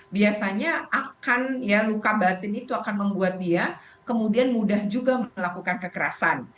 biasanya akan ya luka batin itu akan membuat dia kemudian mudah juga melakukan kekerasan